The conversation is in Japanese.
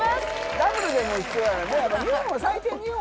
ダブルでも。